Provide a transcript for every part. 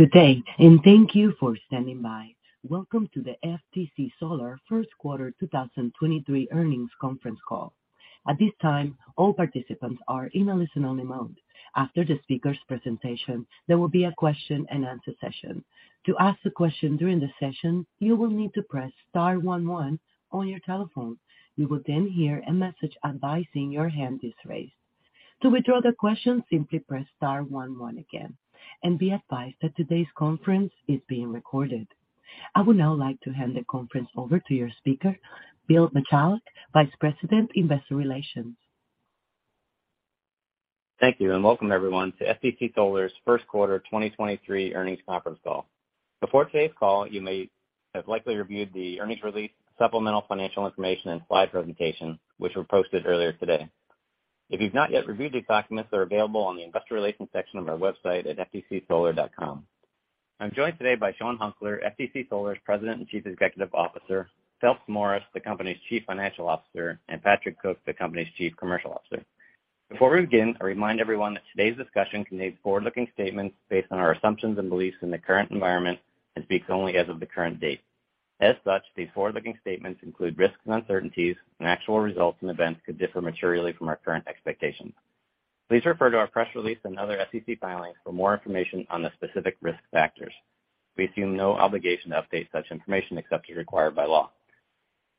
Good day. Thank you for standing by. Welcome to the FTC Solar first quarter 2023 earnings conference call. At this time, all participants are in a listen-only mode. After the speaker's presentation, there will be a question-and-answer session. To ask a question during the session, you will need to press star one one on your telephone. You will then hear a message advising your hand is raised. To withdraw the question, simply press star one one again. Be advised that today's conference is being recorded. I would now like to hand the conference over to your speaker, Bill Michalek, Vice President, Investor Relations. Thank you. Welcome everyone to FTC Solar's first quarter 2023 earnings conference call. Before today's call, you may have likely reviewed the earnings release, supplemental financial information, and slide presentation, which were posted earlier today. If you've not yet reviewed these documents, they're available on the investor relations section of our website at ftcsolar.com. I'm joined today by Sean Hunkler, FTC Solar's President and Chief Executive Officer, Phelps Morris, the company's Chief Financial Officer, and Patrick Cook, the company's Chief Commercial Officer. Before we begin, I remind everyone that today's discussion contains forward-looking statements based on our assumptions and beliefs in the current environment and speaks only as of the current date. As such, these forward-looking statements include risks and uncertainties. Actual results and events could differ materially from our current expectations. Please refer to our press release and other SEC filings for more information on the specific risk factors. We assume no obligation to update such information except as required by law.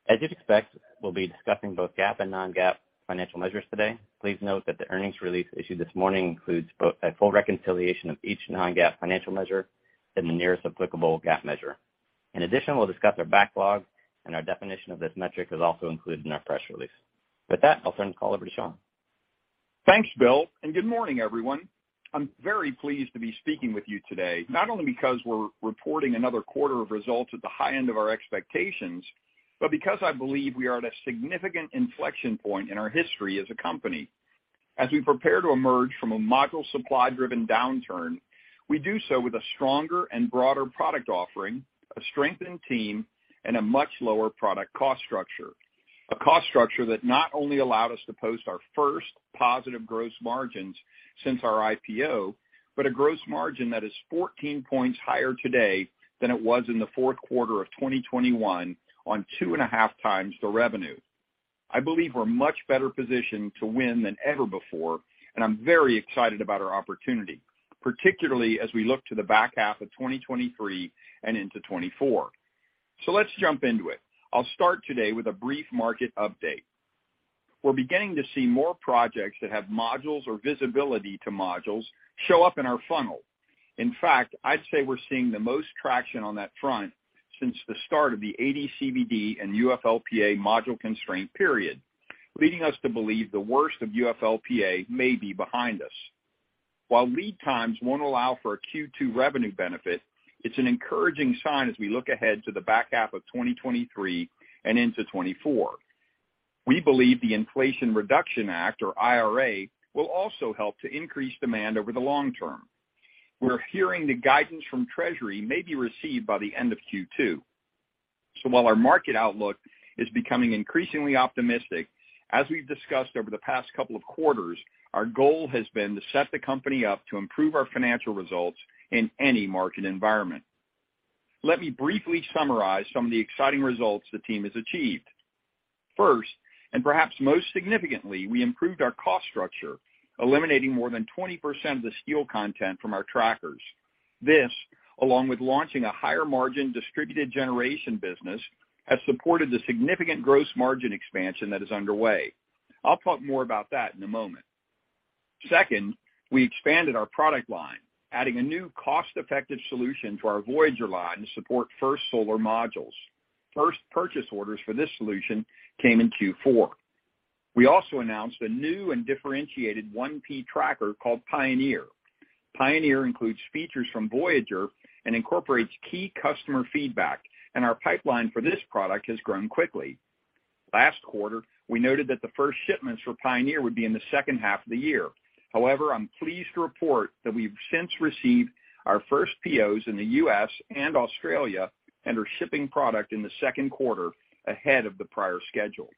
As you'd expect, we'll be discussing both GAAP and non-GAAP financial measures today. Please note that the earnings release issued this morning includes both a full reconciliation of each non-GAAP financial measure and the nearest applicable GAAP measure. In addition, we'll discuss our backlog, and our definition of this metric is also included in our press release. With that, I'll turn the call over to Sean. Thanks, Bill. Good morning, everyone. I'm very pleased to be speaking with you today, not only because we're reporting another quarter of results at the high end of our expectations, but because I believe we are at a significant inflection point in our history as a company. As we prepare to emerge from a module supply-driven downturn, we do so with a stronger and broader product offering, a strengthened team, and a much lower product cost structure. A cost structure that not only allowed us to post our first positive gross margins since our IPO, but a gross margin that is 14 points higher today than it was in the fourth quarter of 2021 on 2.5x the revenue. I believe we're much better positioned to win than ever before, and I'm very excited about our opportunity, particularly as we look to the back half of 2023 and into 2024. Let's jump into it. I'll start today with a brief market update. We're beginning to see more projects that have modules or visibility to modules show up in our funnel. In fact, I'd say we're seeing the most traction on that front since the start of the AD/CVD and UFLPA module constraint period, leading us to believe the worst of UFLPA may be behind us. While lead times won't allow for a Q2 revenue benefit, it's an encouraging sign as we look ahead to the back half of 2023 and into 2024. We believe the Inflation Reduction Act, or IRA, will also help to increase demand over the long term. We're hearing the guidance from Treasury may be received by the end of Q2. While our market outlook is becoming increasingly optimistic, as we've discussed over the past couple of quarters, our goal has been to set the company up to improve our financial results in any market environment. Let me briefly summarize some of the exciting results the team has achieved. First, and perhaps most significantly, we improved our cost structure, eliminating more than 20% of the steel content from our trackers. This, along with launching a higher margin Distributed Generation business, has supported the significant gross margin expansion that is underway. I'll talk more about that in a moment. Second, we expanded our product line, adding a new cost-effective solution to our Voyager line to support First Solar modules. First purchase orders for this solution came in Q4. We also announced a new and differentiated 1P tracker called Pioneer. Pioneer includes features from Voyager and incorporates key customer feedback, and our pipeline for this product has grown quickly. Last quarter, we noted that the first shipments for Pioneer would be in the second half of the year. However, I'm pleased to report that we've since received our first POs in the U.S. and Australia and are shipping product in the second quarter ahead of the prior schedule.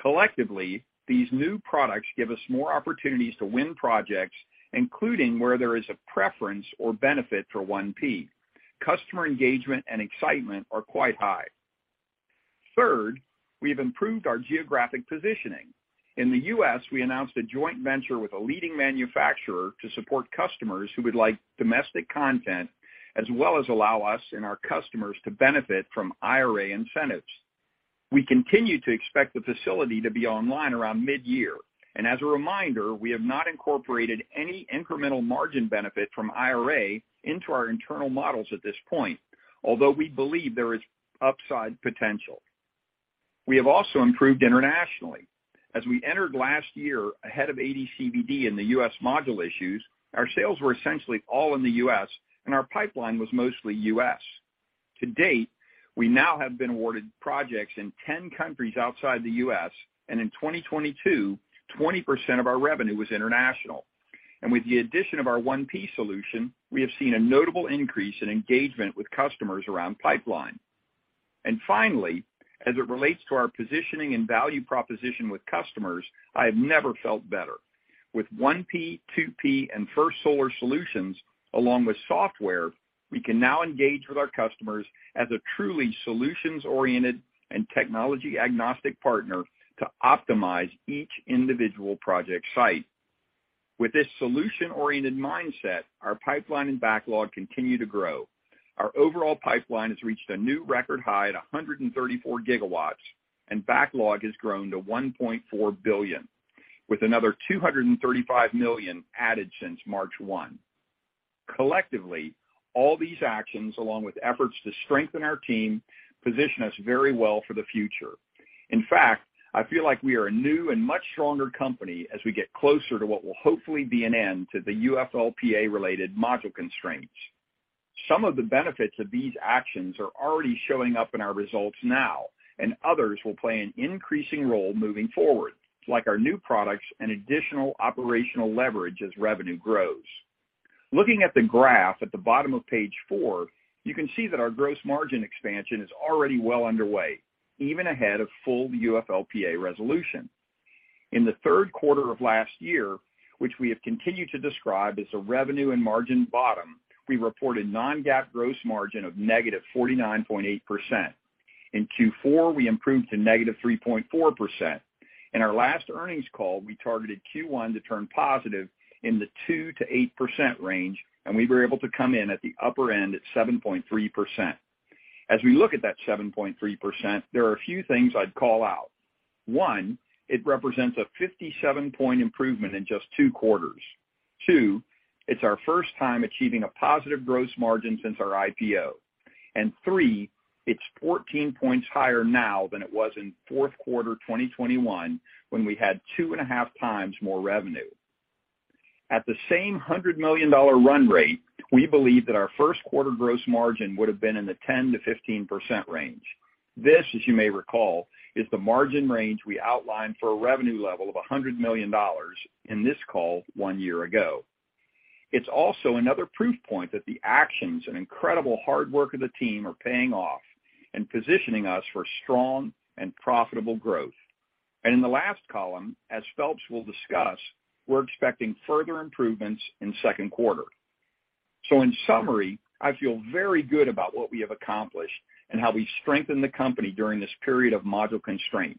Collectively, these new products give us more opportunities to win projects, including where there is a preference or benefit for 1P. Customer engagement and excitement are quite high. Third, we have improved our geographic positioning. In the U.S., we announced a joint venture with a leading manufacturer to support customers who would like domestic content as well as allow us and our customers to benefit from IRA incentives. We continue to expect the facility to be online around mid-year. As a reminder, we have not incorporated any incremental margin benefit from IRA into our internal models at this point, although we believe there is upside potential. We have also improved internationally. As we entered last year ahead of AD/CVD and the U.S. module issues, our sales were essentially all in the U.S., and our pipeline was mostly U.S. To date, we now have been awarded projects in 10 countries outside the U.S., and in 2022, 20% of our revenue was international. With the addition of our 1P solution, we have seen a notable increase in engagement with customers around pipeline. Finally, as it relates to our positioning and value proposition with customers, I have never felt better. With 1P, 2P and First Solar solutions, along with software, we can now engage with our customers as a truly solutions-oriented and technology-agnostic partner to optimize each individual project site. With this solution-oriented mindset, our pipeline and backlog continue to grow. Our overall pipeline has reached a new record high at 134 gigawatts, and backlog has grown to $1.4 billion, with another $235 million added since March 1. Collectively, all these actions, along with efforts to strengthen our team, position us very well for the future. In fact, I feel like we are a new and much stronger company as we get closer to what will hopefully be an end to the UFLPA-related module constraints. Some of the benefits of these actions are already showing up in our results now, and others will play an increasing role moving forward, like our new products and additional operational leverage as revenue grows. Looking at the graph at the bottom of page 4, you can see that our gross margin expansion is already well underway, even ahead of full UFLPA resolution. In the third quarter of last year, which we have continued to describe as a revenue and margin bottom, we reported non-GAAP gross margin of -49.8%. In Q4, we improved to -3.4%. In our last earnings call, we targeted Q1 to turn positive in the 2%-8% range, and we were able to come in at the upper end at 7.3%. As we look at that 7.3%, there are a few things I'd call out. One, it represents a 57-point improvement in just two quarters. Two, it's our first time achieving a positive gross margin since our IPO. Three, it's 14 points higher now than it was in fourth quarter 2021 when we had 25x more revenue. At the same $100 million run rate, we believe that our first quarter gross margin would have been in the 10%-15% range. This, as you may recall, is the margin range we outlined for a revenue level of $100 million in this call one year ago. It's also another proof point that the actions and incredible hard work of the team are paying off and positioning us for strong and profitable growth. In the last column, as Phelps will discuss, we're expecting further improvements in second quarter. In summary, I feel very good about what we have accomplished and how we strengthen the company during this period of module constraint.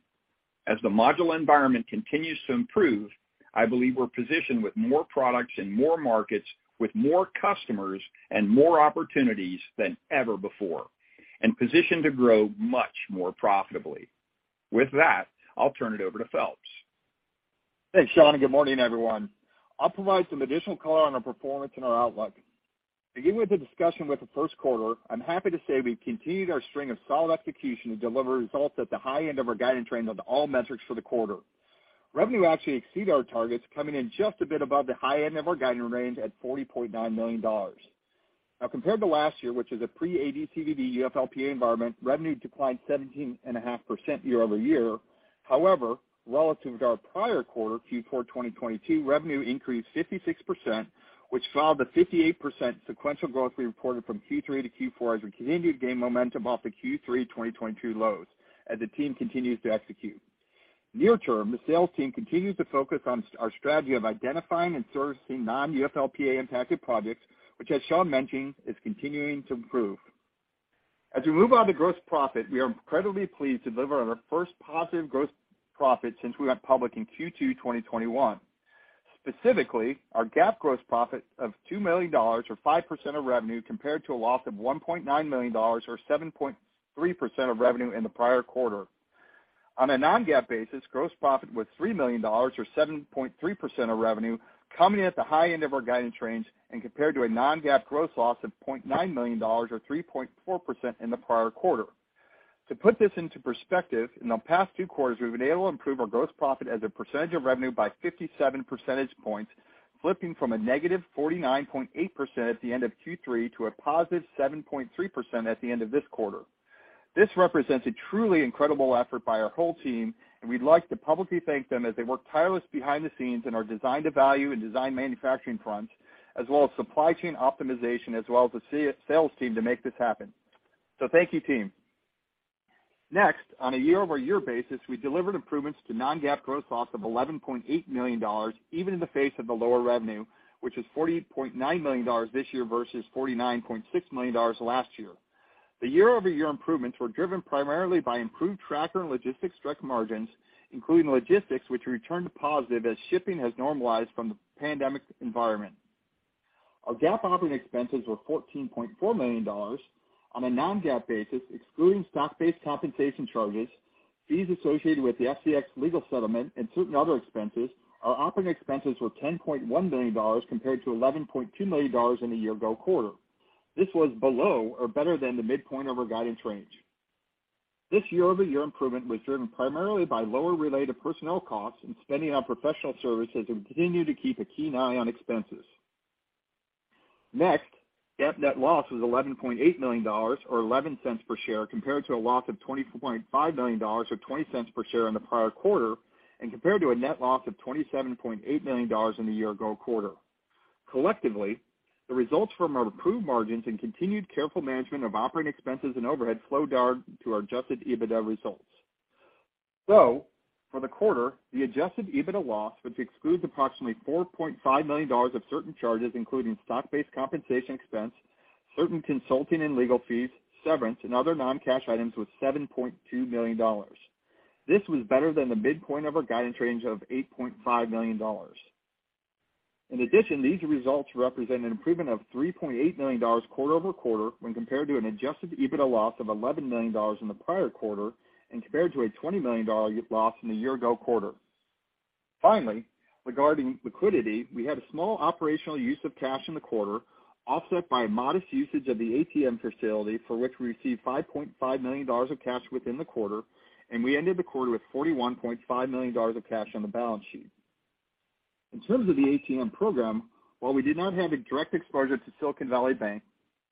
As the module environment continues to improve, I believe we're positioned with more products in more markets with more customers and more opportunities than ever before, and positioned to grow much more profitably. With that, I'll turn it over to Phelps. Thanks, Sean. Good morning, everyone. I'll provide some additional color on our performance and our outlook. Beginning with the discussion with the first quarter, I'm happy to say we've continued our string of solid execution to deliver results at the high end of our guidance range on all metrics for the quarter. Revenue actually exceeded our targets, coming in just a bit above the high end of our guidance range at $40.9 million. Compared to last year, which is a pre-AD/CVD UFLPA environment, revenue declined 17.5% year-over-year. Relative to our prior quarter, Q4 2022, revenue increased 56%, which followed the 58% sequential growth we reported from Q3 to Q4 as we continued to gain momentum off the Q3 2022 lows as the team continues to execute. Near term, the sales team continues to focus on our strategy of identifying and servicing non-UFLPA-impacted projects, which, as Sean mentioned, is continuing to improve. As we move on to gross profit, we are incredibly pleased to deliver on our first positive gross profit since we went public in Q2 2021. Specifically, our GAAP gross profit of $2 million or 5% of revenue compared to a loss of $1.9 million or 7.3% of revenue in the prior quarter. On a non-GAAP basis, gross profit was $3 million or 7.3% of revenue, coming in at the high end of our guidance range and compared to a non-GAAP gross loss of $0.9 million or 3.4% in the prior quarter. To put this into perspective, in the past two quarters, we've been able to improve our gross profit as a percentage of revenue by 57 percentage points, flipping from a -49.8% at the end of Q3 to a +7.3% at the end of this quarter. This represents a truly incredible effort by our whole team, and we'd like to publicly thank them as they work tireless behind the scenes in our design to value and design manufacturing fronts, as well as supply chain optimization, as well as the sales team to make this happen. Thank you, team. On a year-over-year basis, we delivered improvements to non-GAAP gross loss of $11.8 million, even in the face of the lower revenue, which is $40.9 million this year versus $49.6 million last year. The year-over-year improvements were driven primarily by improved tracker and logistics strike margins, including logistics, which returned to positive as shipping has normalized from the pandemic environment. Our GAAP operating expenses were $14.4 million. On a non-GAAP basis, excluding stock-based compensation charges, fees associated with the Flex legal settlement and certain other expenses, our operating expenses were $10.1 million compared to $11.2 million in the year-ago quarter. This was below or better than the midpoint of our guidance range. This year-over-year improvement was driven primarily by lower related personnel costs and spending on professional services and continue to keep a keen eye on expenses. GAAP net loss was $11.8 million or $0.11 per share compared to a loss of $24.5 million or $0.20 per share in the prior quarter and compared to a net loss of $27.8 million in the year-ago quarter. Collectively, the results from our improved margins and continued careful management of operating expenses and overhead slowed down to our Adjusted EBITDA results. For the quarter, the Adjusted EBITDA loss, which excludes approximately $4.5 million of certain charges, including stock-based compensation expense, certain consulting and legal fees, severance, and other non-cash items, was $7.2 million. This was better than the midpoint of our guidance range of $8.5 million. These results represent an improvement of $3.8 million quarter-over-quarter when compared to an Adjusted EBITDA loss of $11 million in the prior quarter and compared to a $20 million loss in the year-ago quarter. Regarding liquidity, we had a small operational use of cash in the quarter, offset by a modest usage of the ATM facility, for which we received $5.5 million of cash within the quarter, and we ended the quarter with $41.5 million of cash on the balance sheet. In terms of the ATM program, while we did not have a direct exposure to Silicon Valley Bank,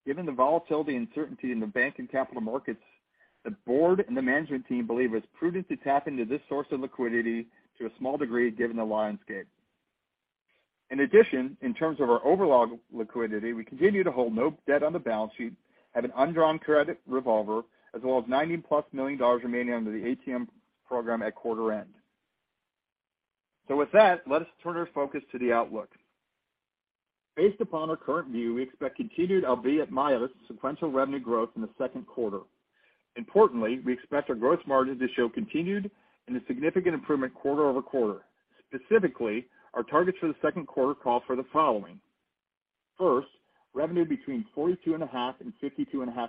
given the volatility and certainty in the bank and capital markets, the board and the management team believe it's prudent to tap into this source of liquidity to a small degree given the landscape. In addition, in terms of our overall liquidity, we continue to hold no debt on the balance sheet, have an undrawn credit revolver, as well as $90+ million remaining under the ATM program at quarter end. With that, let us turn our focus to the outlook. Based upon our current view, we expect continued, albeit modest, sequential revenue growth in the second quarter. Importantly, we expect our gross margin to show continued and a significant improvement quarter-over-quarter. Specifically, our targets for the second quarter call for the following. First, revenue between $42.5 million and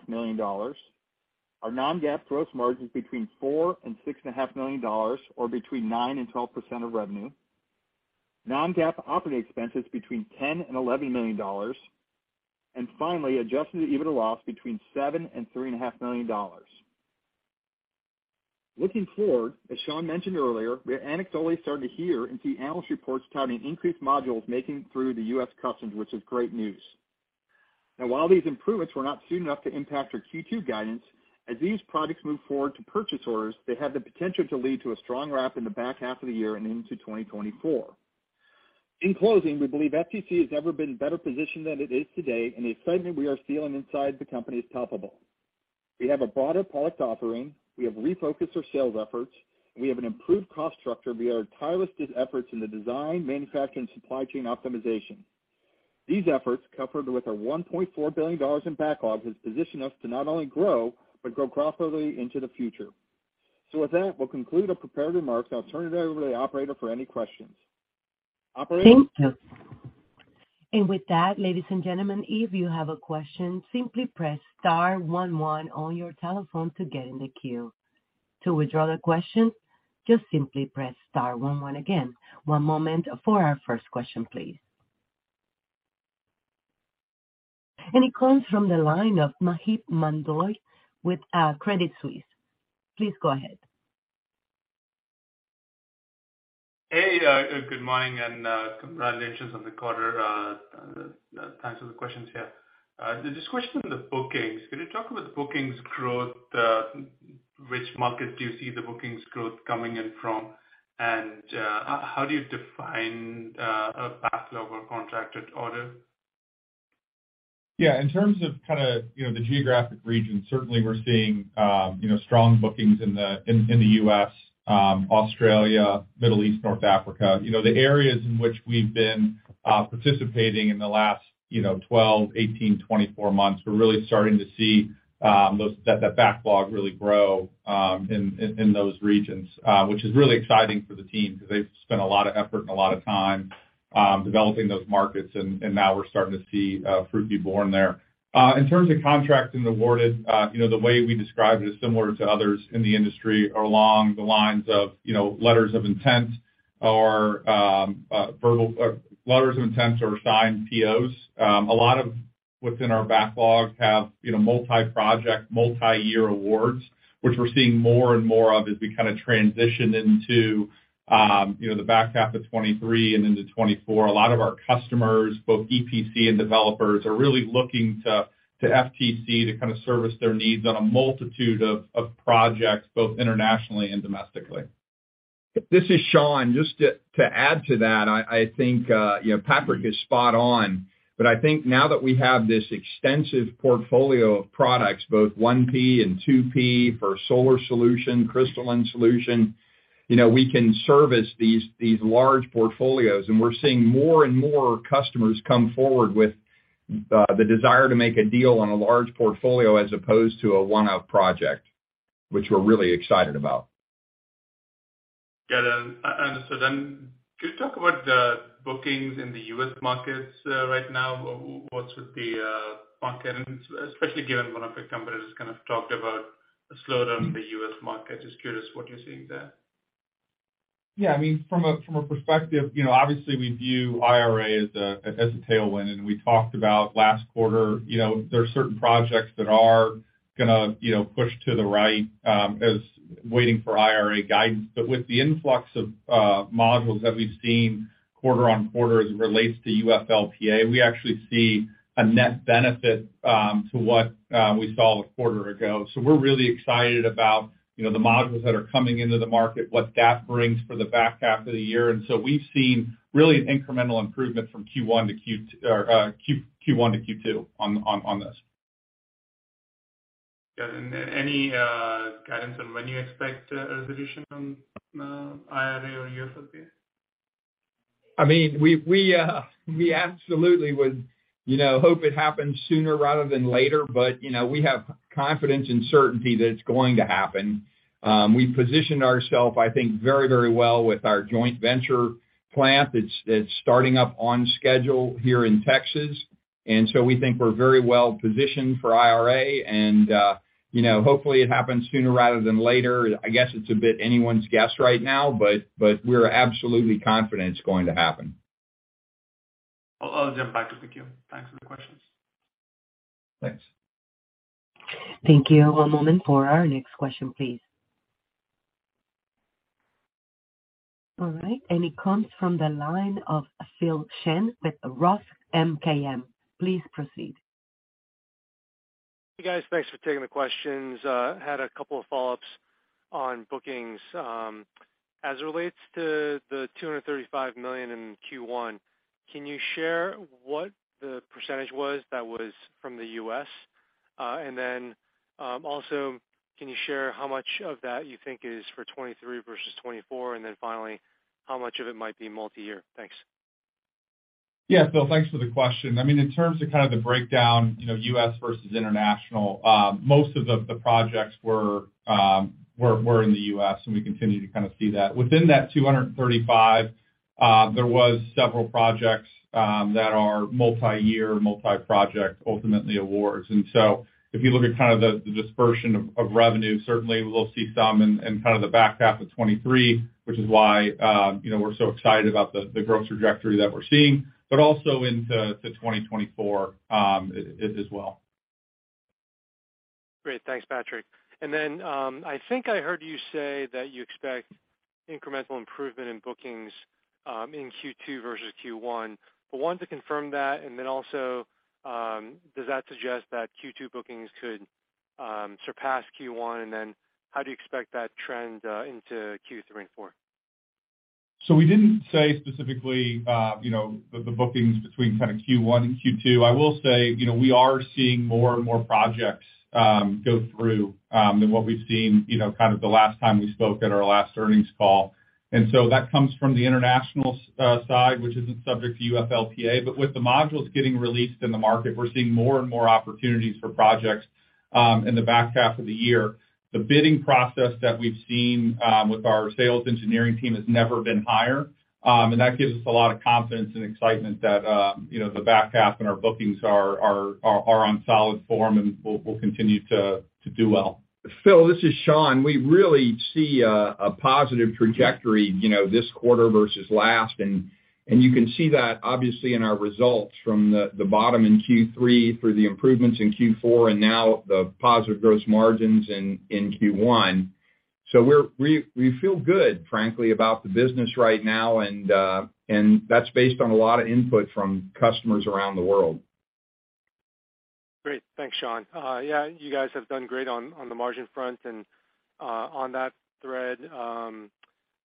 $52.5 million. Our non-GAAP gross margins between $4 million and $6.5 million, or between 9% and 12% of revenue. Non-GAAP operating expenses between $10 million and $11 million. Finally, Adjusted EBITDA loss between $7 million and $3.5 million. Looking forward, as Sean mentioned earlier, we're anecdotally starting to hear and see analyst reports touting increased modules making through the U.S. customs, which is great news. While these improvements were not soon enough to impact our Q2 guidance, as these products move forward to purchase orders, they have the potential to lead to a strong ramp in the back half of the year and into 2024. In closing, we believe FTC has never been in better position than it is today, and the excitement we are feeling inside the company is palpable. We have a broader product offering, we have refocused our sales efforts, and we have an improved cost structure via our tireless efforts in the design, manufacturing, supply chain optimization. These efforts, coupled with our $1.4 billion in backlog, has positioned us to not only grow, but grow profitably into the future. With that, we'll conclude our prepared remarks. I'll turn it over to the operator for any questions. Operator? Thank you. With that, ladies and gentlemen, if you have a question, simply press star one one on your telephone to get in the queue. To withdraw the question, just simply press star one one again. One moment for our first question, please. It comes from the line of Maheep Mandloi with Credit Suisse. Please go ahead. Hey, good morning and congratulations on the quarter. Thanks for the questions here. Just a question on the bookings. Can you talk about the bookings growth? Which market do you see the bookings growth coming in from? How do you define a backlog or contracted order? Yeah. In terms of kinda, you know, the geographic region, certainly we're seeing, you know, strong bookings in the U.S., Australia, Middle East, North Africa. You know, the areas in which we've been participating in the last, you know, 12, 18, 24 months, we're really starting to see that backlog really grow in those regions, which is really exciting for the team because they've spent a lot of effort and a lot of time developing those markets, and now we're starting to see fruit be born there. In terms of contracts and awarded, you know, the way we describe it is similar to others in the industry along the lines of, you know, letters of intent or letters of intent or signed POs. A lot of what's in our backlog have, you know, multi-project, multi-year awards, which we're seeing more and more of as we kinda transition into, you know, the back half of 2023 and into 2024. A lot of our customers, both EPC and developers, are really looking to FTC to kinda service their needs on a multitude of projects, both internationally and domestically. This is Sean. Just to add to that, I think, you know, Patrick is spot on, but I think now that we have this extensive portfolio of products, both 1P and 2P for solar solution, crystalline solution, you know, we can service these large portfolios, and we're seeing more and more customers come forward with the desire to make a deal on a large portfolio as opposed to a one-off project, which we're really excited about. Got it. Understood. Could you talk about the bookings in the U.S. markets, right now, what's with the market, and especially given one of the competitors kind of talked about a slowdown in the U.S. market. Just curious what you're seeing there. Yeah. I mean, from a perspective, you know, obviously, we view IRA as a tailwind, and we talked about last quarter, you know, there are certain projects that are gonna, you know, push to the right, as waiting for IRA guidance. With the influx of modules that we've seen quarter-on-quarter as it relates to UFLPA, we actually see a net benefit to what we saw a quarter ago. We're really excited about, you know, the modules that are coming into the market, what DAF brings for the back half of the year. We've seen really an incremental improvement from Q1 to Q2 on this. Yeah. Any guidance on when you expect a resolution from IRA or UFLPA? I mean, we absolutely would, you know, hope it happens sooner rather than later, but, you know, we have confidence and certainty that it's going to happen. We positioned ourself, I think very, very well with our joint venture plant that's starting up on schedule here in Texas. We think we're very well-positioned for IRA and, you know, hopefully it happens sooner rather than later. I guess it's a bit anyone's guess right now, but we're absolutely confident it's going to happen. I'll jump back to the queue. Thanks for the questions. Thanks. Thank you. One moment for our next question, please. All right, it comes from the line of Phil Shen with ROTH MKM. Please proceed. Hey, guys. Thanks for taking the questions. Had a couple of follow-ups on bookings. As it relates to the $235 million in Q1, can you share what the percent was that was from the U.S.? Also can you share how much of that you think is for 2023 versus 2024? Finally, how much of it might be multi-year? Thanks. Yeah, Phil, thanks for the question. I mean, in terms of kind of the breakdown, you know, U.S. versus international, most of the projects were in the U.S., and we continue to kind of see that. Within that $235, there was several projects that are multi-year, multi-project, ultimately awards. If you look at kind of the dispersion of revenue, certainly we'll see some in kind of the back half of 2023, which is why, you know, we're so excited about the growth trajectory that we're seeing, but also into 2024 as well. Great. Thanks, Patrick. I think I heard you say that you expect incremental improvement in bookings in Q2 versus Q1. I want to confirm that, does that suggest that Q2 bookings could surpass Q1? How do you expect that trend into Q3 and Q4? We didn't say specifically, you know, the bookings between kind of Q1 and Q2. I will say, you know, we are seeing more and more projects go through than what we've seen, you know, kind of the last time we spoke at our last earnings call. That comes from the international side, which isn't subject to UFLPA. With the modules getting released in the market, we're seeing more and more opportunities for projects in the back half of the year. The bidding process that we've seen with our sales engineering team has never been higher. That gives us a lot of confidence and excitement that, you know, the back half and our bookings are on solid form, and we'll continue to do well. Phil, this is Sean. We really see a positive trajectory, you know, this quarter versus last. You can see that obviously in our results from the bottom in Q3 through the improvements in Q4, and now the positive growth margins in Q1. We feel good, frankly, about the business right now and that's based on a lot of input from customers around the world. Great. Thanks, Sean. Yeah, you guys have done great on the margin front and on that thread,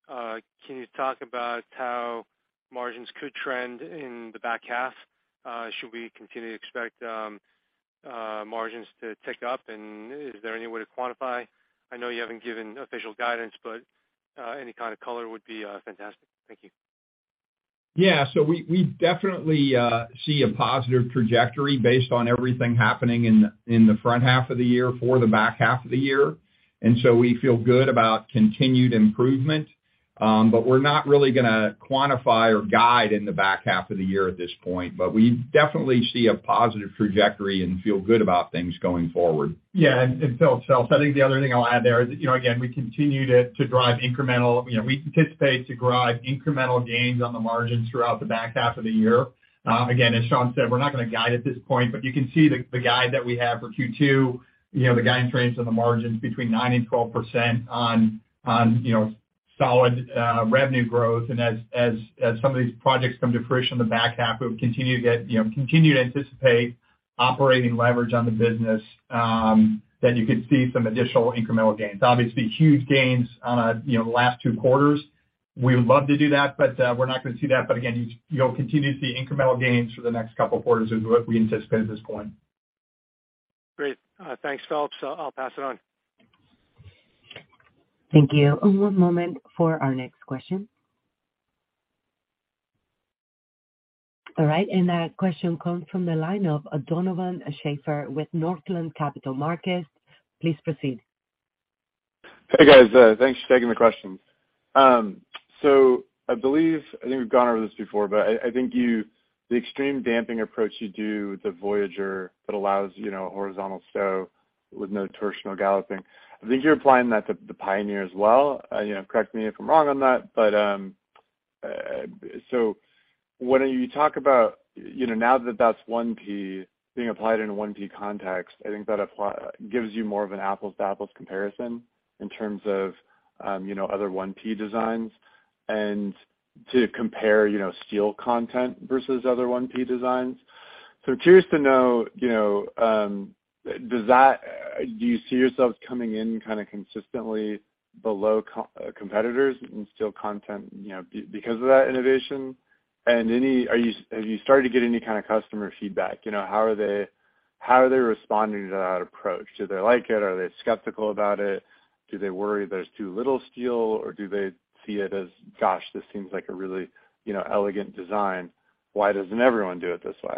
can you talk about how margins could trend in the back half? Should we continue to expect margins to tick up? Is there any way to quantify? I know you haven't given official guidance, but any kind of color would be fantastic. Thank you. Yeah. We definitely see a positive trajectory based on everything happening in the front half of the year for the back half of the year, and so we feel good about continued improvement. We're not really gonna quantify or guide in the back half of the year at this point. We definitely see a positive trajectory and feel good about things going forward. Yeah. Phil, I think the other thing I'll add there is, you know, again, we continue to drive incremental. You know, we anticipate to drive incremental gains on the margins throughout the back half of the year. Again, as Sean said, we're not gonna guide at this point, but you can see the guide that we have for Q2, you know, the guidance range on the margins between 9%-12% on, you know, solid revenue growth. As some of these projects come to fruition in the back half, we would continue. You know, continue to anticipate operating leverage on the business that you could see some additional incremental gains. Obviously, huge gains on a, you know, last two quarters. We would love to do that, but we're not gonna see that. Again, you'll continue to see incremental gains for the next couple of quarters is what we anticipate at this point. Great. Thanks, Phelps. I'll pass it on. Thank you. One moment for our next question. All right, that question comes from the line of Donovan Schafer with Northland Capital Markets. Please proceed. Hey, guys. Thanks for taking the questions. I believe, I think we've gone over this before, but I think the extreme damping approach you do with the Voyager that allows, you know, horizontal stow with no torsional galloping, I think you're applying that to the Pioneer as well. You know, correct me if I'm wrong on that, but when you talk about, you know, now that that's 1P being applied in a 1P context, I think that gives you more of an apples-to-apples comparison in terms of, you know, other 1P designs and to compare, you know, steel content versus other 1P designs. Curious to know, you know, do you see yourselves coming in kinda consistently below competitors in steel content, you know, because of that innovation? Have you started to get any kind of customer feedback? You know, how are they responding to that approach? Do they like it? Are they skeptical about it? Do they worry there's too little steel, or do they see it as, gosh, this seems like a really, you know, elegant design, why doesn't everyone do it this way?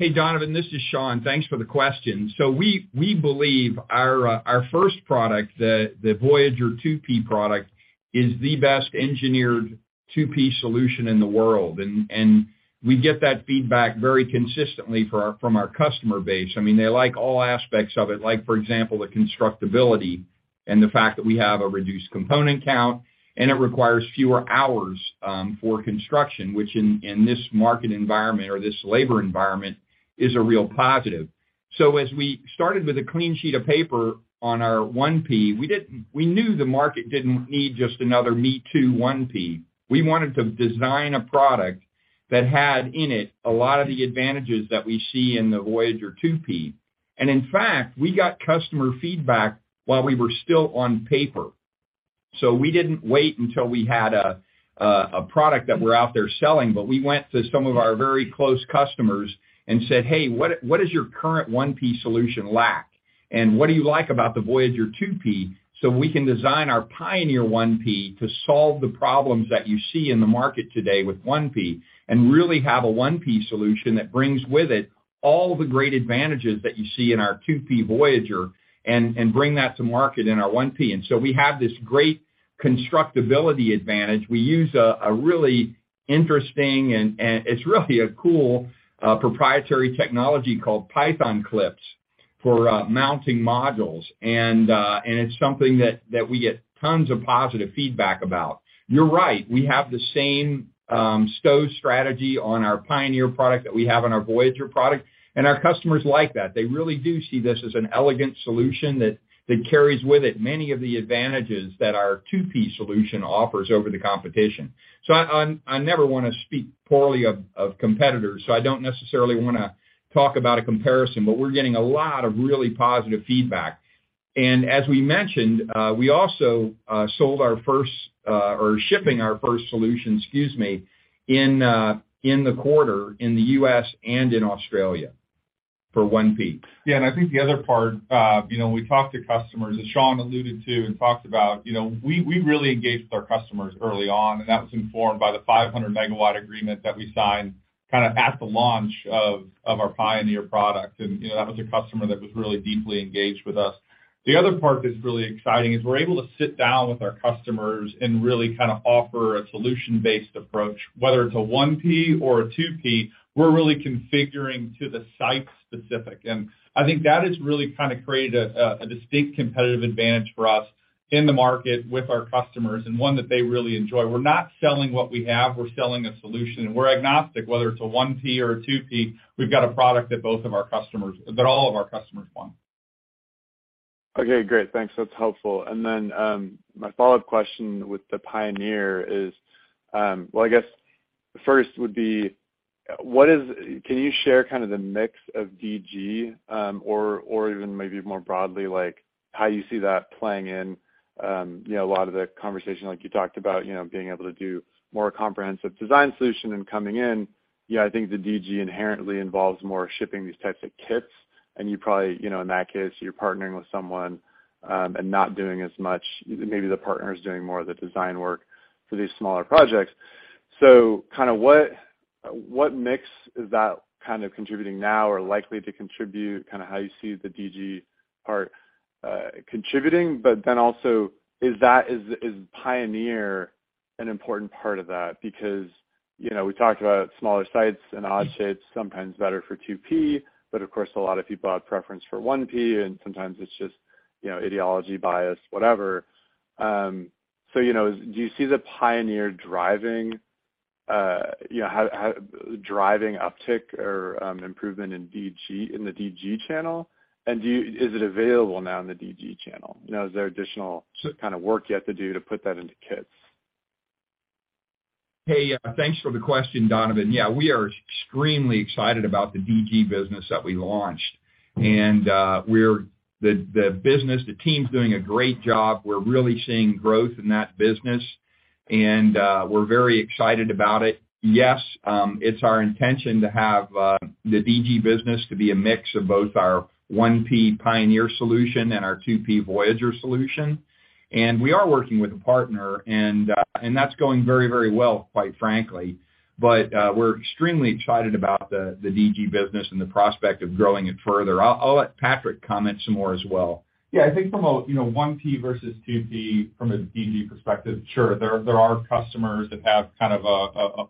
Hey, Donovan, this is Sean. Thanks for the question. We believe our first product, the Voyager two-piece product, is the best-engineered two-piece solution in the world. We get that feedback very consistently from our customer base. I mean, they like all aspects of it, like for example, the constructability and the fact that we have a reduced component count. It requires fewer hours for construction, which in this market environment or this labor environment is a real positive. As we started with a clean sheet of paper on our one-piece, we knew the market didn't need just another me too one-piece. We wanted to design a product that had in it a lot of the advantages that we see in the Voyager two-piece. In fact, we got customer feedback while we were still on paper. We didn't wait until we had a product that we're out there selling, but we went to some of our very close customers and said, "Hey, what does your current one-piece solution lack? And what do you like about the Voyager two-piece so we can design our Pioneer one-piece to solve the problems that you see in the market today with one-piece, and really have a one-piece solution that brings with it all the great advantages that you see in our two-piece Voyager and bring that to market in our one-piece?" We have this great constructability advantage. We use a really interesting, and it's really a cool, proprietary technology called Python Clips for mounting modules. It's something that we get tons of positive feedback about. You're right, we have the same stow strategy on our Pioneer product that we have on our Voyager product, and our customers like that. They really do see this as an elegant solution that carries with it many of the advantages that our two-piece solution offers over the competition. I never wanna speak poorly of competitors, so I don't necessarily wanna talk about a comparison, but we're getting a lot of really positive feedback. As we mentioned, we also shipping our first solution, excuse me, in the quarter in the U.S. and in Australia for one-piece. Yeah. I think the other part, you know, when we talk to customers, as Sean alluded to and talked about, you know, we really engaged with our customers early on, and that was informed by the 500 MW agreement that we signed kind of at the launch of our Pioneer product. You know, that was a customer that was really deeply engaged with us. The other part that's really exciting is we're able to sit down with our customers and really kind of offer a solution-based approach, whether it's a one-piece or a two-piece, we're really configuring to the site-specific. I think that has really kind of created a distinct competitive advantage for us in the market with our customers and one that they really enjoy. We're not selling what we have, we're selling a solution. We're agnostic whether it's a one-piece or a two-piece, we've got a product that all of our customers want. Okay, great. Thanks. That's helpful. My follow-up question with the Pioneer is, well, I guess first would be, can you share kind of the mix of DG, or even maybe more broadly, like how you see that playing in, you know, a lot of the conversation, like you talked about, you know, being able to do more comprehensive design solution and coming in. Yeah, I think the DG inherently involves more shipping these types of kits. You probably, you know, in that case, you're partnering with someone and not doing as much. Maybe the partner is doing more of the design work for these smaller projects. Kind of what mix is that kind of contributing now or likely to contribute, kind of how you see the DG part contributing? Also is Pioneer an important part of that? Because, you know, we talked about smaller sites and odd shapes, sometimes better for 2P, but of course, a lot of people have preference for 1P, and sometimes it's just, you know, ideology, bias, whatever. You know, do you see the Pioneer driving, you know, how driving uptick or improvement in DG, in the DG channel? Is it available now in the DG channel? You know, is there additional kind of work you have to do to put that into kits? Hey, thanks for the question, Donovan. Yeah, we are extremely excited about the DG business that we launched. The business, the team's doing a great job. We're really seeing growth in that business, and we're very excited about it. Yes, it's our intention to have the DG business to be a mix of both our 1P Pioneer solution and our 2P Voyager solution. We are working with a partner, and that's going very, very well, quite frankly. We're extremely excited about the DG business and the prospect of growing it further. I'll let Patrick comment some more as well. Yeah. I think from a, you know, one-piece versus two-piece from a DG perspective, sure, there are customers that have kind of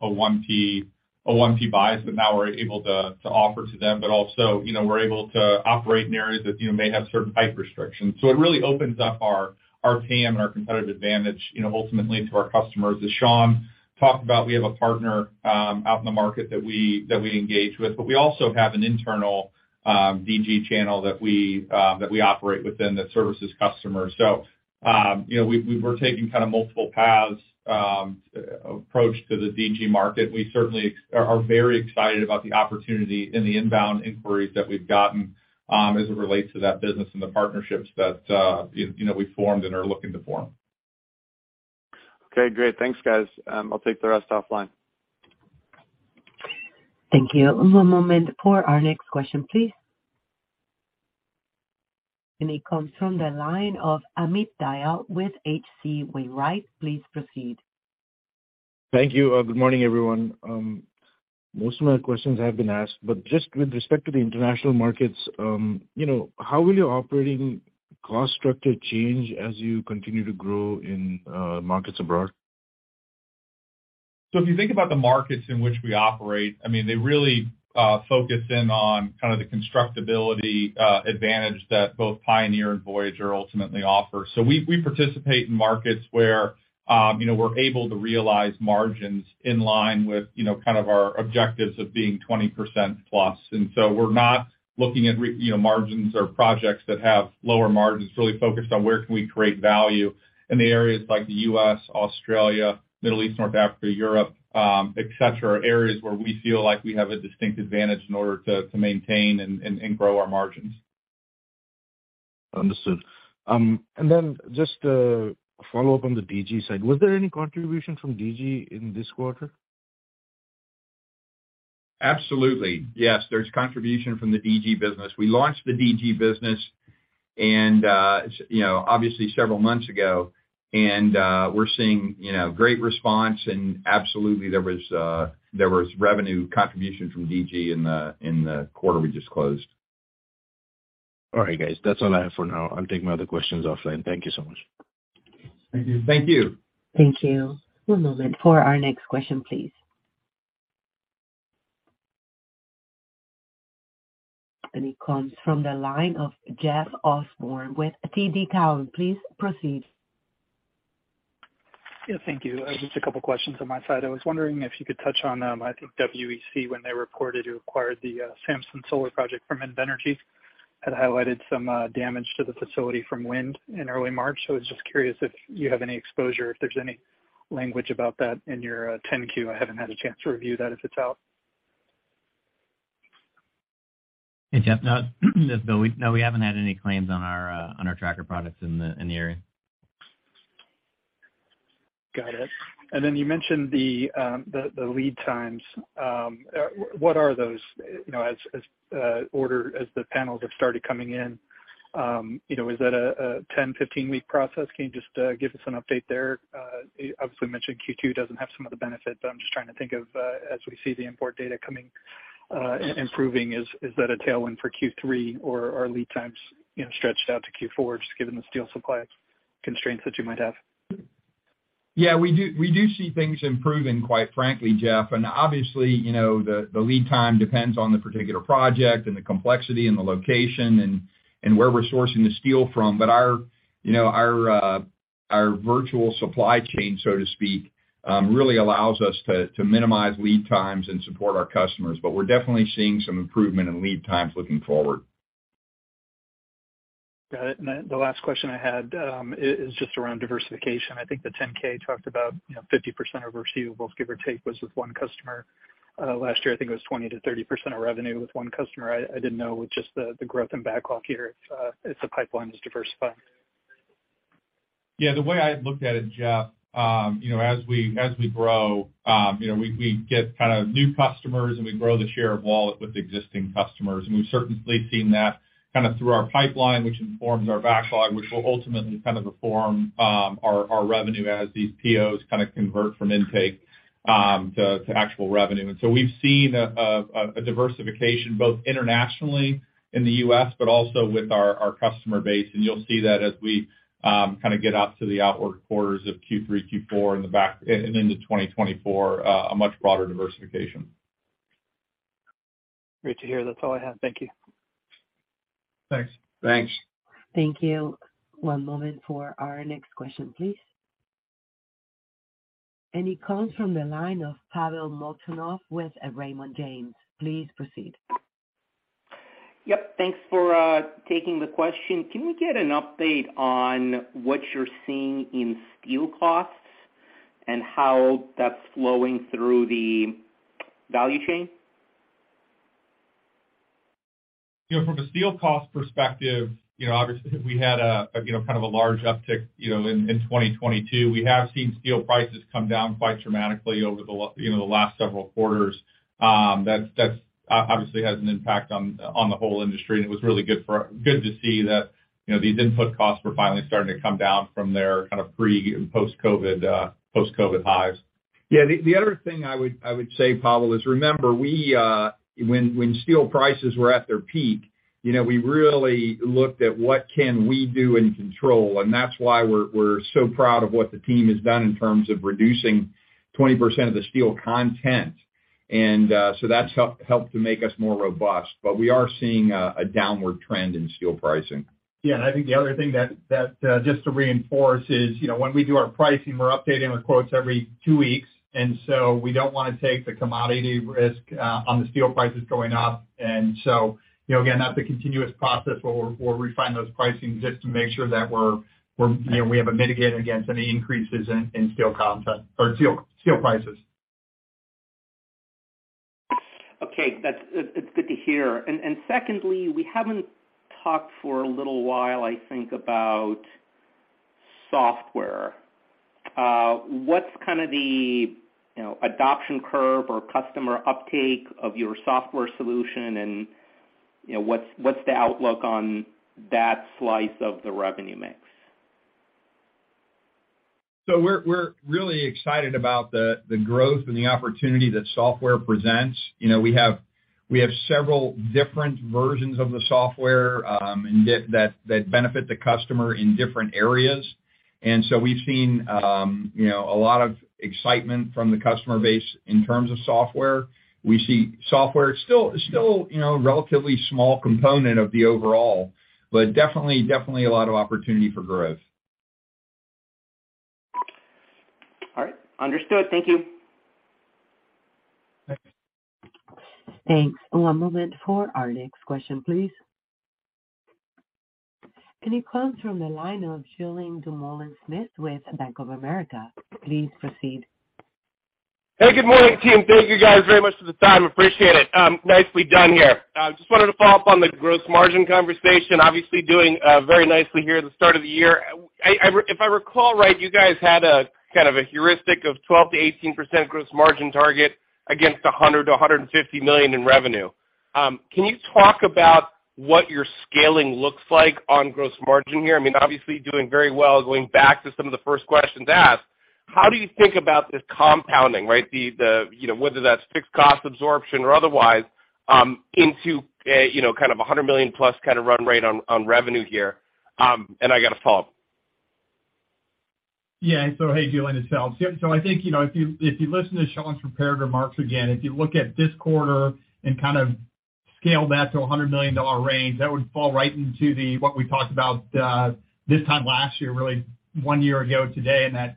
a one-piece bias that now we're able to offer to them, but also, you know, we're able to operate in areas that, you know, may have certain height restrictions. It really opens up our TAM and our competitive advantage, you know, ultimately to our customers. As Sean talked about, we have a partner out in the market that we engage with. We also have an internal DG channel that we operate within that services customers. You know, we're taking kind of multiple paths approach to the DG market. We certainly are very excited about the opportunity and the inbound inquiries that we've gotten, as it relates to that business and the partnerships that, you know, we've formed and are looking to form. Okay, great. Thanks, guys. I'll take the rest offline. Thank you. One moment for our next question, please. It comes from the line of Amit Dayal with H.C. Wainwright. Please proceed. Thank you. Good morning, everyone. Most of my questions have been asked, but just with respect to the international markets, you know, how will your operating cost structure change as you continue to grow in markets abroad? If you think about the markets in which we operate, I mean, they really focus in on kind of the constructability advantage that both Pioneer and Voyager ultimately offer. We participate in markets where, you know, we're able to realize margins in line with, you know, kind of our objectives of being 20%+. We're not looking at you know, margins or projects that have lower margins. It's really focused on where can we create value in the areas like the U.S., Australia, Middle East, North Africa, Europe, et cetera, areas where we feel like we have a distinct advantage in order to maintain and grow our margins. Understood. Just a follow-up on the DG side. Was there any contribution from DG in this quarter? Absolutely. Yes, there's contribution from the DG business. We launched the DG business and, you know, obviously several months ago, and we're seeing, you know, great response and absolutely there was revenue contribution from DG in the quarter we just closed. All right, guys. That's all I have for now. I'll take my other questions offline. Thank you so much. Thank you. Thank you. Thank you. One moment for our next question, please. It comes from the line of Jeff Osborne with TD Cowen. Please proceed. Yeah. Thank you. Just a couple questions on my side. I was wondering if you could touch on, I think WEC, when they reported you acquired the Samson Solar project from Invenergy, had highlighted some damage to the facility from wind in early March. I was just curious if you have any exposure, if there's any language about that in your 10-Q? I haven't had a chance to review that if it's out. Hey, Jeff. No, we haven't had any claims on our tracker products in the area. Got it. Then you mentioned the lead times. What are those, you know, as the panels have started coming in, you know, is that a 10, 15-week process? Can you just give us an update there? Obviously mentioned Q2 doesn't have some of the benefits, I'm just trying to think of, as we see the import data coming, improving, is that a tailwind for Q3 or are lead times, you know, stretched out to Q4 just given the steel supply constraints that you might have? Yeah, we do see things improving, quite frankly, Jeff. Obviously, you know, the lead time depends on the particular project and the complexity and the location and where we're sourcing the steel from. Our, you know, our virtual supply chain, so to speak, really allows us to minimize lead times and support our customers. We're definitely seeing some improvement in lead times looking forward. Got it. The last question I had is just around diversification. I think the 10-K talked about, you know, 50% of receivables, give or take, was with one customer. Last year, I think it was 20%-30% of revenue with one customer. I didn't know with just the growth in backlog here if the pipeline is diversifying? Yeah. The way I've looked at it, Jeff, you know, as we grow, you know, we get kind of new customers, and we grow the share of wallet with existing customers. We've certainly seen that kind of through our pipeline, which informs our backlog, which will ultimately kind of inform our revenue as these POs kind of convert from intake to actual revenue. We've seen a diversification both internationally in the U.S., but also with our customer base. You'll see that as we kind of get out to the outward quarters of Q3, Q4 and into 2024, a much broader diversification. Great to hear. That's all I have. Thank you. Thanks. Thanks. Thank you. One moment for our next question, please. It comes from the line of Pavel Molchanov with Raymond James. Please proceed. Yep. Thanks for taking the question. Can we get an update on what you're seeing in steel costs and how that's flowing through the value chain? You know, from a steel cost perspective, you know, obviously we had, you know, kind of a large uptick, you know, in 2022. We have seen steel prices come down quite dramatically over the last several quarters. That's obviously has an impact on the whole industry, and it was really good to see that, you know, these input costs were finally starting to come down from their kind of pre and post-COVID, post-COVID highs. Yeah. The other thing I would say, Pavel, is remember we, when steel prices were at their peak, you know, we really looked at what can we do and control, and that's why we're so proud of what the team has done in terms of reducing 20% of the steel content. That's helped to make us more robust. We are seeing a downward trend in steel pricing. I think the other thing that, just to reinforce is, you know, when we do our pricing, we're updating our quotes every two weeks, we don't wanna take the commodity risk, on the steel prices going up. You know, again, that's a continuous process where we refine those pricings just to make sure that we're, you know, we have it mitigated against any increases in steel content or steel prices. Okay. It's good to hear. Secondly, we haven't talked for a little while, I think, about. Software. What's kind of the, you know, adoption curve or customer uptake of your software solution and, you know, what's the outlook on that slice of the revenue mix? We're really excited about the growth and the opportunity that software presents. You know, we have several different versions of the software, and that benefit the customer in different areas. We've seen, you know, a lot of excitement from the customer base in terms of software. We see software is still, you know, relatively small component of the overall, but definitely a lot of opportunity for growth. All right. Understood. Thank you. Thanks. One moment for our next question, please. It comes from the line of Julien Dumoulin-Smith with Bank of America. Please proceed. Hey, good morning, team. Thank you guys very much for the time. Appreciate it. Nicely done here. I just wanted to follow up on the gross margin conversation, obviously doing very nicely here at the start of the year. If I recall right, you guys had a kind of a heuristic of 12%-18% gross margin target against $100 million-$150 million in revenue. Can you talk about what your scaling looks like on gross margin here? I mean, obviously doing very well. Going back to some of the first questions asked, how do you think about this compounding, right? The, you know, whether that's fixed cost absorption or otherwise, into a, you know, kind of a $100 million+ kind of run rate on revenue here. I got a follow-up. Yeah. Hey, Julien, it's Phelps. I think, you know, if you listen to Sean's prepared remarks again, if you look at this quarter and kind of scale that to a $100 million range, that would fall right into what we talked about this time last year, really one year ago today in that,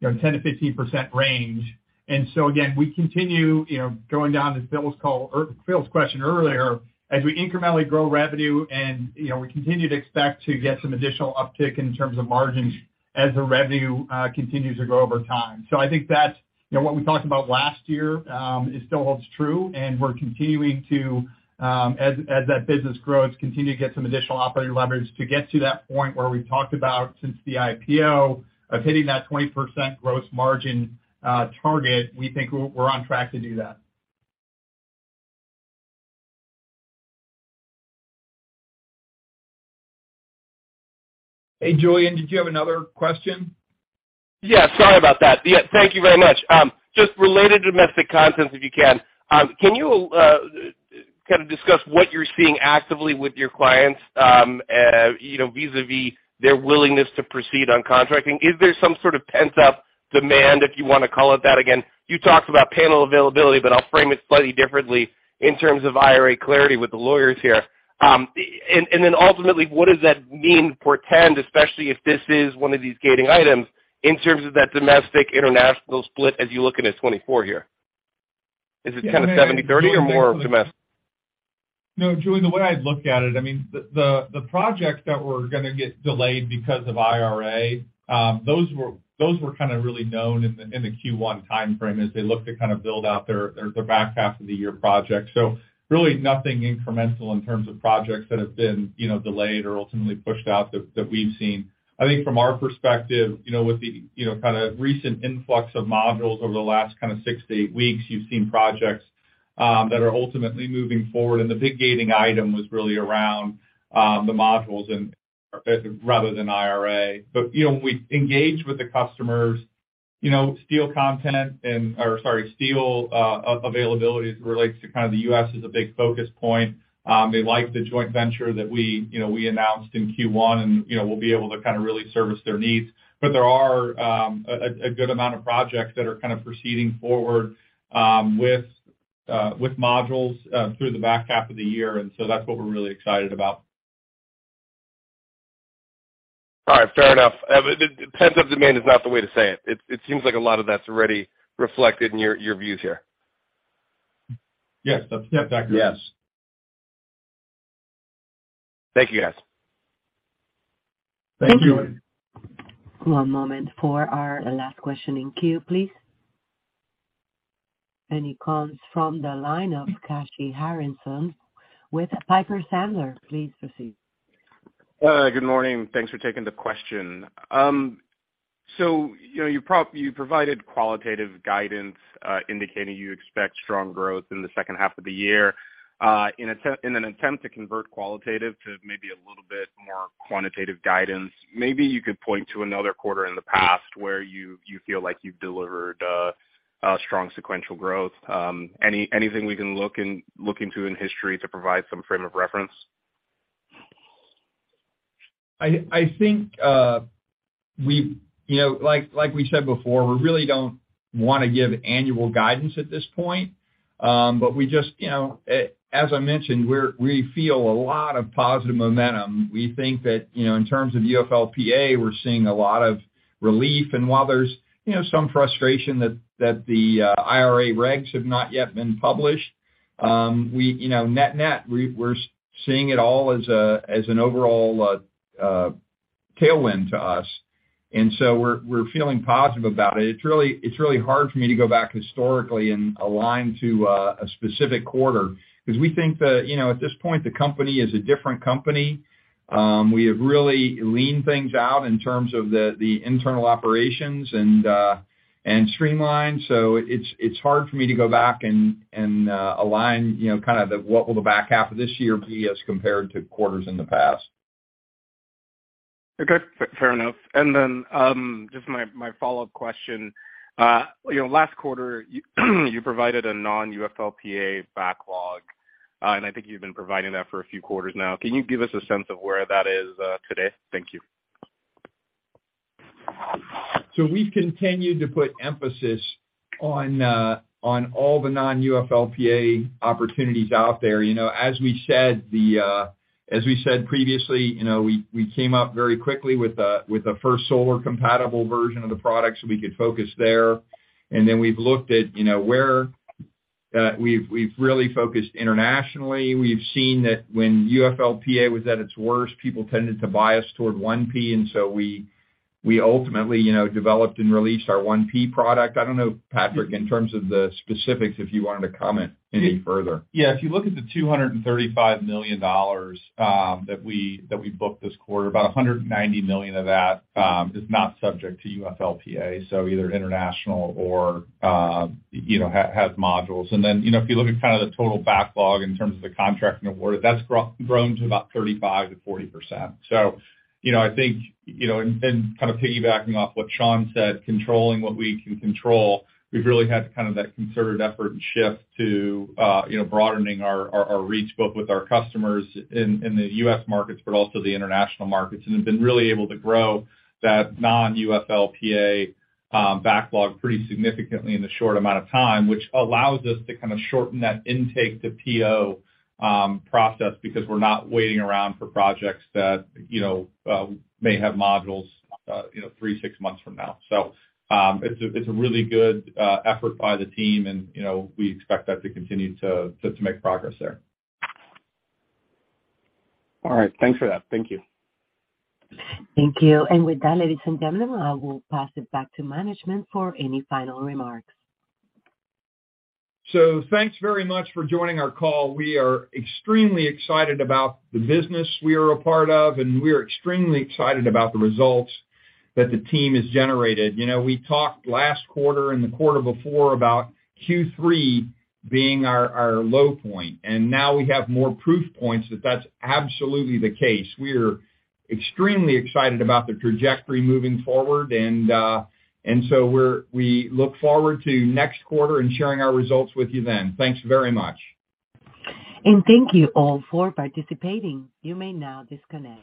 you know, 10%-15% range. Again, we continue, you know, going down as Bill's or Phil's question earlier, as we incrementally grow revenue and, you know, we continue to expect to get some additional uptick in terms of margins as the revenue continues to grow over time. I think that's, you know, what we talked about last year, it still holds true, and we're continuing to, as that business grows, continue to get some additional operating leverage to get to that point where we've talked about since the IPO of hitting that 20% gross margin target. We think we're on track to do that. Hey, Julien, did you have another question? Yeah, sorry about that. Yeah, thank you very much. Just related to domestic content, if you can. Can you, kind of discuss what you're seeing actively with your clients, you know, vis-à-vis their willingness to proceed on contracting? Is there some sort of pent-up demand, if you wanna call it that again? You talked about panel availability, but I'll frame it slightly differently in terms of IRA clarity with the lawyers here. ultimately, what does that mean for tend, especially if this is one of these gating items in terms of that domestic-international split as you look into 2024 here? Is it kind of 70/30 or more domestic? No, Julien, the way I'd look at it, I mean, the projects that were gonna get delayed because of IRA, those were kind of really known in the Q1 timeframe as they look to kind of build out their back half of the year projects. Really nothing incremental in terms of projects that have been, you know, delayed or ultimately pushed out that we've seen. I think from our perspective, you know, with the, you know, kind of recent influx of modules over the last kind of 6 to 8 weeks, you've seen projects that are ultimately moving forward, and the big gating item was really around the modules and rather than IRA. you know, we engage with the customers, you know, steel content or sorry, steel availability as it relates to kind of the U.S. is a big focus point. They like the joint venture that we, you know, we announced in Q1 and, you know, we'll be able to kind of really service their needs. There are a good amount of projects that are kind of proceeding forward with modules through the back half of the year. That's what we're really excited about. All right. Fair enough. Pent-up demand is not the way to say it. It seems like a lot of that's already reflected in your views here. Yes. That's, yeah. That's correct. Yes. Thank you, guys. Thank you. One moment for our last question in queue, please. It comes from the line of Kashy Harrison with Piper Sandler. Please proceed. Good morning. Thanks for taking the question. You know, you provided qualitative guidance, indicating you expect strong growth in the second half of the year. In an attempt to convert qualitative to maybe a little bit more quantitative guidance, maybe you could point to another quarter in the past where you feel like you've delivered a strong sequential growth. Anything we can look into in history to provide some frame of reference? I think, you know, like we said before, we really don't wanna give annual guidance at this point. We just, you know, as I mentioned, we feel a lot of positive momentum. We think that, you know, in terms of UFLPA, we're seeing a lot of relief. While there's, you know, some frustration that the IRA regs have not yet been published, we, you know, net-net, we're seeing it all as a, as an overall. Tailwind to us. We're feeling positive about it. It's really hard for me to go back historically and align to a specific quarter because we think that, you know, at this point the company is a different company. We have really leaned things out in terms of the internal operations and streamlined. It's hard for me to go back and align, you know, kinda the what will the back half of this year be as compared to quarters in the past. Okay. Fair, fair enough. Just my follow-up question. You know, last quarter you provided a non-UFLPA backlog, and I think you've been providing that for a few quarters now. Can you give us a sense of where that is today? Thank you. We've continued to put emphasis on all the non-UFLPA opportunities out there. You know, as we said, as we said previously, you know, we came up very quickly with a, with a First Solar compatible version of the product so we could focus there. We've looked at, you know, where we've really focused internationally. We've seen that when UFLPA was at its worst, people tended to bias toward 1P. We, we ultimately, you know, developed and released our 1P product. I don't know, Patrick, in terms of the specifics, if you wanted to comment any further. Yeah. If you look at the $235 million that we booked this quarter, about $190 million of that is not subject to UFLPA, so either international or, you know, has modules. You know, if you look at kind of the total backlog in terms of the contract and award, that's grown to about 35%-40%. You know, I think, you know, and kind of piggybacking off what Sean said, controlling what we can control, we've really had kind of that concerted effort and shift to, you know, broadening our, our reach both with our customers in the U.S. markets but also the international markets. Have been really able to grow that non-UFLPA backlog pretty significantly in a short amount of time, which allows us to kind of shorten that intake to PO process because we're not waiting around for projects that, you know, may have modules, you know, three to six months from now. It's a really good effort by the team and, you know, we expect that to continue to make progress there. All right. Thanks for that. Thank you. Thank you. With that, ladies and gentlemen, I will pass it back to management for any final remarks. Thanks very much for joining our call. We are extremely excited about the business we are a part of, and we are extremely excited about the results that the team has generated. You know, we talked last quarter and the quarter before about Q3 being our low point, and now we have more proof points that that's absolutely the case. We are extremely excited about the trajectory moving forward and we look forward to next quarter and sharing our results with you then. Thanks very much. Thank you all for participating. You may now disconnect.